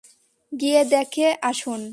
গিয়ে দেখে আসুন।